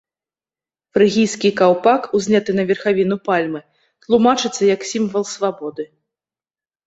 Фрыгійскі каўпак, узняты на верхавіну пальмы, тлумачыцца як сімвал свабоды.